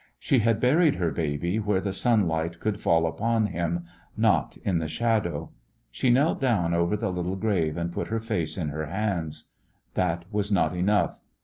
She had buried her baby where the sunlight could fall upon him^ not in the shadow. She knelt down over the little grave and put her face in her hands. That was not enough.